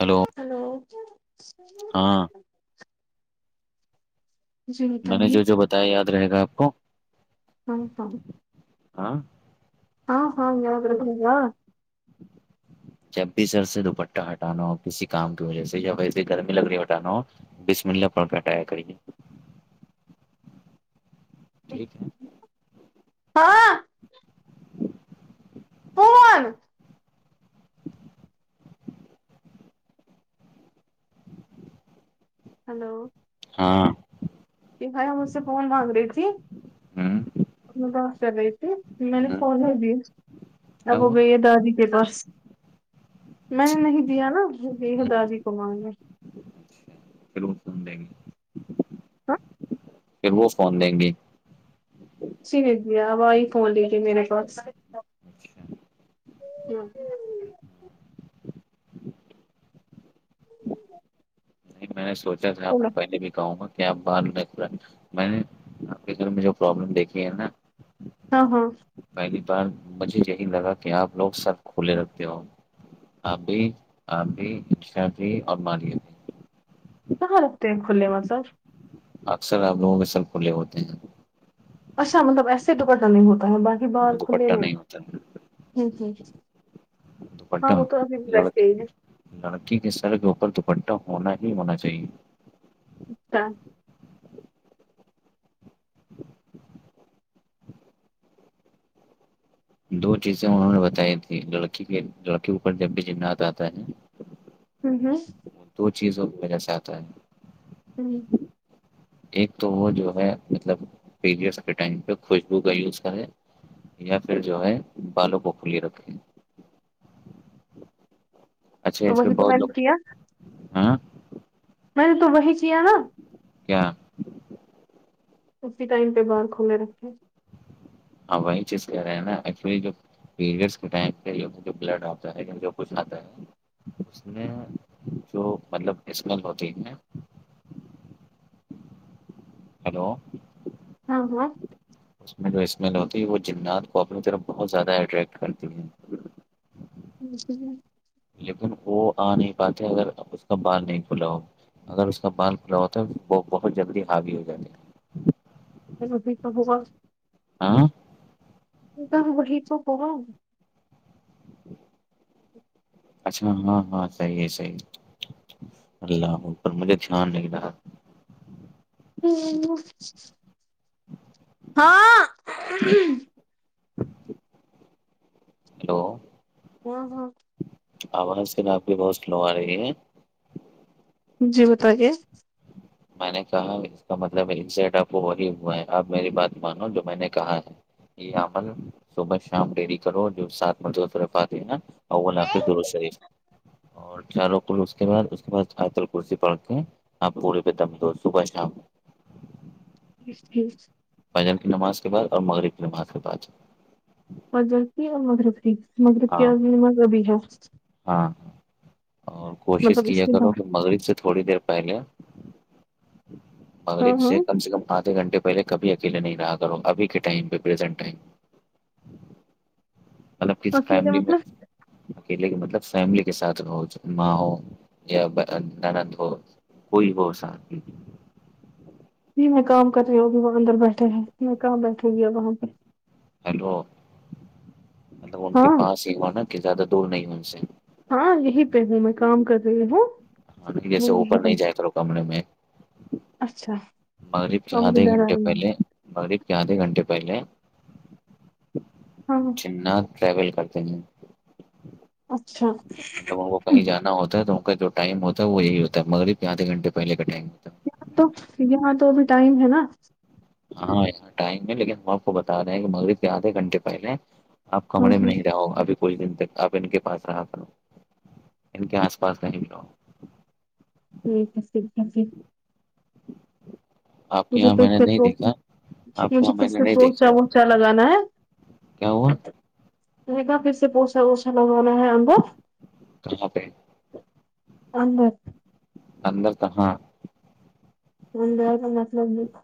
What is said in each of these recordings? Hello hello ہاں جی میں نے بتائیے جو جو بتایا یاد رہے گا آپ کو ہاں ہ ہاں ہاں ہاںیااد بنا [inaudible] جب بھی سر سے دوپٹہ ہٹانا ہو کسی کام کی وجہ سے یا ویسے گرمی لگ رہی ہٹانا ہو بیس منٹ ل پٹایا کریے ٹھیک ہے [unintelligible] ہاں پون ہلو ہاں کہھائی ہم مجھ سے فون مانگ رہی تھی ہوں میں پس کر رہی تھی میں نے ہوں فنے ہی د کیا اب وہ ہوا گئی ہے دادی کے پس میں نے اچھا نہیں دیا نا ہے ہوں، داادی کمار میں لوگ سم دیں گے [unintelligible] ہاں پھر وہ فون دیں گی جی بیا آب آ ہی فون لیجیے میرے پاس اچھا۔ ہوں [unintelligible] میں نے سوچا تھا آپ کو پہلے بھی کہوں گا کیا ا بار نہیں میں نے مھ پرابلم دیکھی ہے نا ہاں ہاں پہلی بار مجھے یہی لگا کہ آپ لوگ سب کھلے رکھتے ہو آبھی آبی اشا بھی اور مالیہ بھی کہاں رگتے ہیں کھے م سر اکثر ہم لوگوں کے سب کھلے ہوتے ہیں اچھا مطلب ایسے دوپٹا نہیں ہوتا ہے باقی ہاں باہر کھلے دوپٹہ میں نہیں ہوتا ہے، ہ ہ دوپٹہ ہاں وہ تو ابھی بھی بیستے ہی لڑکی ہیں لڑکی کے سر کے اوپر دوپٹہ ہونا ہی ہونا چاہیے اچھا دو چیزیں انہوں نے بتائی تھی لڑکی کے لڑکی اوپر جب بھی جنات آتا ہے ہوں ہوں وہ دو چیزوں کی وجہ سے آتا ہے ہوں ایک تو وہ جو ہے مطلب پڈ ٹ پہ خوشبو کا یوز کرے یا پھر جو ہے بالوں کو کھلی رکھیں اچھا تو اس پ وہی تو بہت میں لوگ نے کیا ہ میں نے تو وہی چ نا کیا [unintelligible] اسی ٹائم پہ باہر کھولے رکھیں ہاں وہی چیز کہہ رہے ہیں نا ایکچو پیریڈ کے ٹائم پہ بڈ آپتاے کچھ آتا ہے اس میں جو مطلب اسمل ہوتی ہیں ہیلو ہاں ہاں اس میں جو اسمیل ہوتی ہے وہ جنات کو اپنی طرف بہت زیادہ اٹریکٹ کرتی ہے جی جی لیکن وہ آ نہیں پاتے اگر اس کا بال نہیں کھلا ہو اگر اس کا بال کھلا ہوتا ہے بہت جلدی ہاوی ہو جاتی ہے ابھی تو ہوا [unintelligible] آاں تو ہم وہی تو کون اچھا ہاں ہاں صحیح ہے صحیح اللہ ا پر مجھے دھیان نہیں رہا ہ ہاں ہیلو ہ ہاں ہا آواز آپ کی بہت سلو آ رہی ہے جی بتا ے میں نے کہا اس کا مطلب انسٹ اب وہی ہوا ہے اپ میری بات مانو جو میں نے کہا ہے یہ امل صبح شام ڈیری کرو جو ساتھ اول آخر درد شریف اور چاروں کل اس کے بعد اس کے بعد ائتل کرسی پڑ کے آپ پورے دم تو صبح شام جی ٹھیک [unintelligible] فجر کی نماز کے بعد مغرب کی نماز کے بعد فجر کی اور مغرب کی مغرب کی عنیم ابھی ہے ہاں ہاں اور کوشش مطلب اس کیا کے کرو بعد کہ مغرب سے تھوڑی دیر پہلے مل ہاں ہاں سے کم سےم آھے گھنٹے پہل کبھی اکیے نہیں رہا کر ہوں ابھی کے ٹائم پریزینٹ ٹائم مطلب کسی اکیلے فیملی میں مطلب اکیلے کے مطلب فیملی کے ساتھ رہ ماں ہو یا نانند ہو کوئی ہو سات میں جی میں کام کر رہی ہوںی وہاں اندر بیٹھے ہیں میں کہاں بیٹھوں گیب وہاں پہ ہیلو ان کے ہاں پاس ہی ہوا نا کہ زیادہ دور نہیں ان سے ہاں یہیں پہ ہوں میں کام کر رہی ہوں ابھی جیسے وہ اوپر یہی۔ نہیں جائے کرو کمرے میں اچھا مغرب کے اب مجھے آدھے ڈر آ گھنٹے رہی ہے پہلے مغرب کے آدھے گھنٹے پہلے ہاں نہ ٹریول کرتے ہیں اچھا جب ان کو کہیں جانا ہو ہے تو ان کا جو ٹائم ہوتا وہ یہی ہوتا ہے مغرب آدھے گھنٹے پہلے کا ٹائم ہے یہاں تو یہاں تو ابھی ٹائم ہے نا ہاںاں ٹائم ہے لیکن ہم آپ کو بتا رہے ہیں کہ مغرب کے آدھے گھنٹے پہلے آپ ہاں کمرے میں ہاں نہیں رہ ہو ابھی کچھ دن تک آپ ان کے پاس رہا کرو ان کے آس پاس نہیں بھی رہ ٹھیک ہے ٹھیک ہے ج آپ کے مجھے یہاں پھر میں نے سے نہیں پو- دیکھا آپ کے مجھے یہاں پھر میں نے سے نہیں پوچا دیکھا ووچا لگانا ہے کیا ہوا گا پھر سے پوسا ووسا لگوانا ہے اند [unintelligible] تواں پہ اندر انندر تک ہاں م بی کا مت لوگ [unintelligible]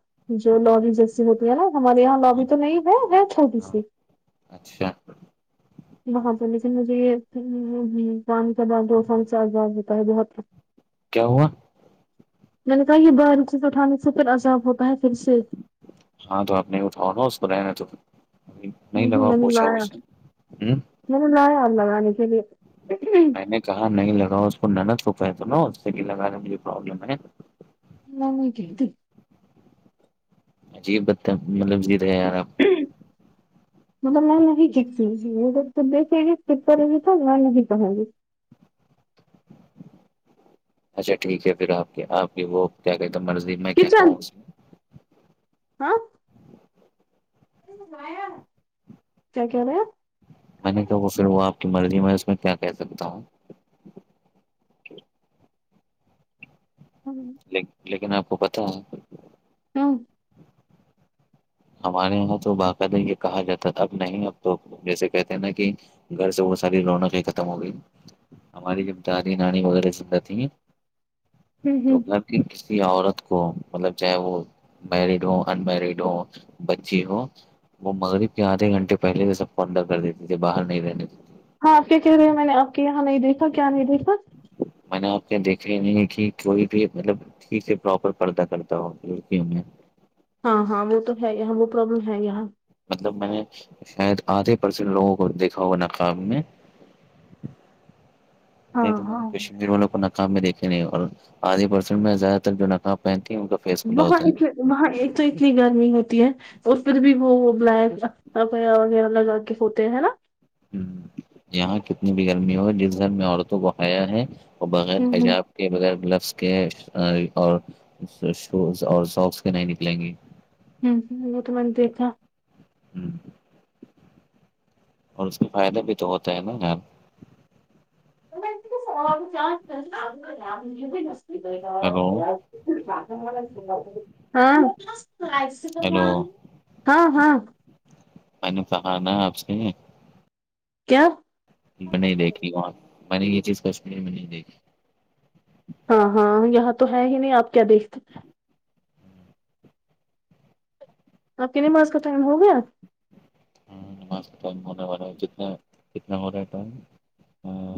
جو لوبی جیسی ہوتی ہے نا ہمارے یہاں ہاں لوبی تو نہیں ہے ہے چھوٹی ہاں، سی اچھا باں سے لیکن مجھے یہ کاان کا ب دو سال سے آزاد ہوتا ہے بہت کیا ہوا میں نے کہا یہ باہاریک چیز اٹھانے سے پھر عذاب ہوتا ہے پھر سے ہاں تو آپ نہیں اٹھاؤ نا اس کور میں تو نہیں لگاؤ پوچھا وہوھا ہوں م نے لایا اللہگے کے لیے [unintelligible] میں نے کہا نہیں لگا اس کو نند توپہ تو نا اس سے بھی لگانا مجے پرابلم ہے نم کہتی [unintelligible] عجیب ب مطلب جییدے یار آپ کی م توب میں نے نہیں جیتتی تو پپر بھی تو میں نے نہیں کہی اچھا ٹھیک ہے پھر آپ کی آپ کی وہ کیا کہتے ہیں مرضی میں کیا کچن کہوں اس میں ہاں کیا کیا رہے ہیں میں نے کہ وہ پھر وہ آپ کی مرضی میں اس میں کیا کہہ سکتا ہوں ہاں [inaudible] لیکن آپ کو پتا ہے ہ [inaudible] ہمارے یہاں تو باقعد ہے یہ کہا جاتا اب نہیں اب تو جیسے کہتے ہیں نا کہ گھر سے وہ ساری رونوں کی ختم ہو گئی ہماری جب دادی نانی وغیرہ سب رہتی ہیں تو گھر کسی عورت کو مطلب چاہے وہ مریڈ ہو ان مریڈ ہو بچی ہو وہ مغرب کے آدھے گھنٹے پہلے سے سب کو اندر کر دیتی تھی باہر نہیں رہنےے ہاں کیا کہہ رہے ہیں میں نے آپ کے یہاں نہیں دیکھا کیا نہیں دیکھا میں نے آپ کے یہ دیکھ لی نہیں کہ کوئی بھی مطلب ٹھیک ہے پراپر کردہ کرتا ہو لڑکیوں میں ہاں ہاں وہ تو ہے یہاں وہ پروابلم ہے یہیاں مطلب میں نے شاید آدھے پرسینٹ لوگوں کو دیکھا ہوا نقاب میں ہاں نہیں تو میں نے ہاں کشمیر والوں کو نقاب میں دیکھے نہیں اور آدھی پرسن میں زیادہ تر جو نقاب پہنتی ہیں ان فیس کھلا وہاں ہوتا ات وہاں تو اتنی گرمی ہوتی ہے اس پھر بھی وہ بلیک ایا وغیرہ لگا کے ہوتے ہیں ہے نا ہ یہاں کتنی بھی گرمی ہو جس گھر میں عورتوں کو ہیا ہے وہ بغیر ہوں حجاب کے بغیر گلبس کے اور شوز اور سوکس کے نہیں نکلیں گی ہوں ہ وہ تو میں نے دیکھا ہوں [unintelligible] اور اس کے فائدے بھی تو ہوتا ہے نا ار س چان بھی نستی تو ہیلو گ [unintelligible] ہاں [unintelligible] ہیلو ہاں ہاں میں نے کہہانا آپ سے کیا میں نہیں دیکھی وہاں میں نے یہ چیز کشمییر میں نہیں دیکھی ہاں ہاں یہاں تو ہے ہی نہیں آپ کیا دیکھتے اب کتنے مارس کا ٹائم ہو گیا ہ ٹائم ہونے والا ہے جتنا جتنا ہو رہا ہے ٹائم [unintelligible] ہاں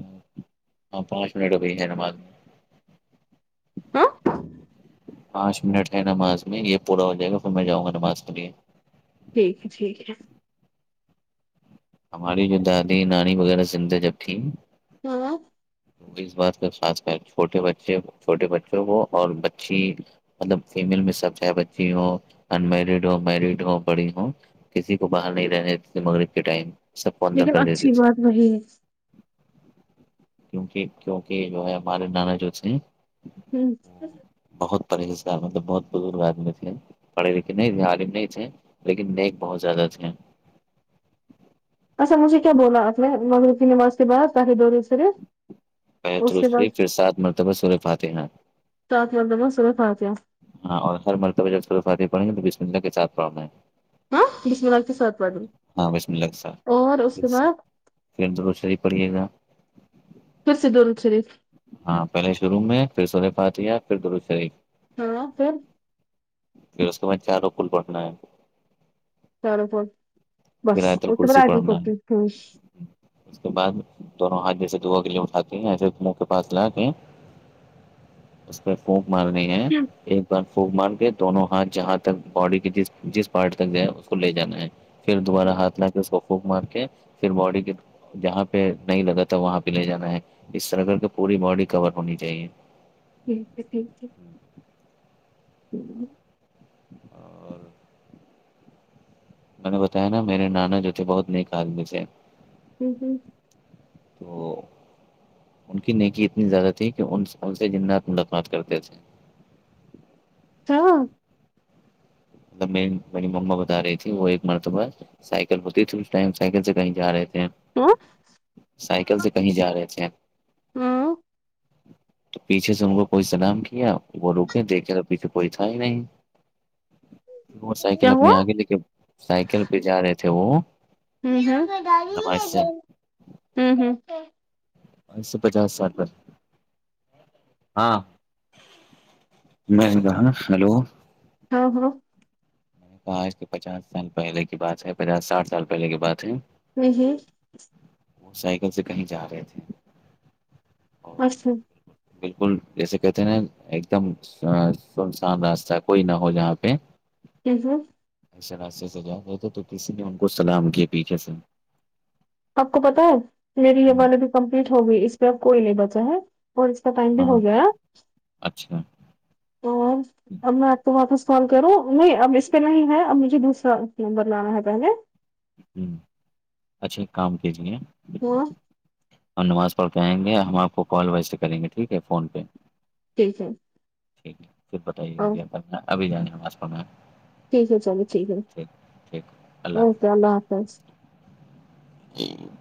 ہاں پانچ منٹ ہو گئی ہے نماد میں ہاں پانچ منٹ ہے نماز میں یہ پورا ہو جائے گا پھر میں جاں گا نماز کے لیے ٹھیک ہے ٹھیک ہے ہماری جو دادی نانی وغیرہ زندہ جب تھی ہاں [unintelligible] اس بات کا خاص چھوٹے بچے چھوٹے بچوں کو اور بچی مطلب فیمیل میں سب چاہ بچی ہو ان مریڈ ہو میریڈ ہو بڑی ہو کسی کو باہر نہیں رہنے مغرب کے ٹائم سب کو اندر لیکن کر دیتے اچھی تھے بات وہی ہے کیونک کیوںک جو ہے ہمارے نانا جو تھ ہوں بہت پریس گار مطلب بہت بزرگ آدمی تھے پڑھے لکھے نہیں تھے عالم نہیں تھے لیکن نیک بہت زیادہ تھے اچھا مجھے کیا بولا آپ نے مغرب کی نواز کے بعداہدور صرف پہلے درود شریف پھر ساتھ مرتبہ سورے پات ہیں سات مرتبہ سورہ فاتحہ ہاں اور ہر مرتبہ جب سورہ فاتحہ پڑھیں گے تو بسم اللہ کے ساتھ پڑھنا ہاں بسم اللہ کے ساتھ پڑھ [unintelligible] اور اس کے بعد پھرر درود شریف ہی پڑھیے گا پھر سے درود شریف ہاں پہلے شروع میں پھر سورے فاتحہ پھر درود شریف ہاں پھر پھر اس کے بع چاروگ کل پٹھنا ہے پھر آیت الکرسی پڑھنا ہے [unintelligible] اس کے بعد دونوں ہاتھ جیسے دوا کے لیے اٹھاتے ہیں ایسے منہ کے پاس لا کے ہیں اس پہ فھوک مارنی ہے ایک بار خوک مار کے دونوں ہاتھ جہاں تک باڈی کے جس جس پارٹ تک جائے اس کو لے جانا ہے پھر دوبارہ ہاتھ لا کے اس کو پھک مار کے پھر باڈی کے جہاں پہ نہیں لگا تھا وہاں پہ لے جانا ہے اس طرح کر کے پوری باڈی کور ہونی چاہیے ٹھیک ہے ٹھیک ہے ہمم اور میں نے بتایا نا میرے نانا جو تھے بہت نیک آدمی سے ہمم ہمم تو ان کی نیکی اتنی زیادہ تھی کہ ان ان سے جنات ملاقمات کرتے تھے [unintelligible] تب میری میڑی مما بتا رہی تھی وہ ایک مرتبہ ہے سائیکل ہوتی تھی اس ٹائم سائیکل سے کہیں جا رہے تھ ہیں ہاں سائیکل سے کہیں جا رہے تھے ہاں تو پیچھے سے ان کو کوئی سلام کیا وہ رکے دیکھے تو پیچھے کوئی تھا ہی نہیں تو سائیکل کیا ہوا اپنے آگے لے کے سائیکل پہ جا رہے تھے وہ ہمم نماز سے ہمم ہمم ہمم اج سے پچاس سال ہاں میں کہا ہیلو ہاں ہاں آج کے پچاس سال پہلے کی بات ہے پچاس ساٹھ سال پہلے کی بات ہے ہمم ہمم موٹر سائیکل سے کہیں جا رہے تھے اچھا بالکل جیسے کہتے ہیں نا ایک دم سنسان راستہ ہے کوئی نہ ہو جہاں پہ ہمم ہمم اسے راستے سے جا گئے تھے تو کسی نے ان کو سلام کیاے پیچھے سے آپ کو پتا ہے میری یہ والی بھی کمپلیٹ ہوگئی اس پہ اب کوئی نہیں بچا ہے اور اس کا ٹائم بھی ہاں ہو گیا اچھا اور اب میں آپ کو وہاں سال کروں نہیں اب اس پہ نہیں ہے اب مجھے دوسرا نمبر لانا ہے پہلے اچھا اک کام کیجیے ہمم ہم نماز پڑھ کے آئ گے ہم آپ کو کال ویسے کریں گے ٹھیک ہے فون پہ ٹھ ہے ٹھیک ہے پھر بتائیے گا کیا ابھی جانےا آس پ میں ٹھیک ہے چلیے ٹھیک ہے اوکے اللہ حافظ جی [inaudible]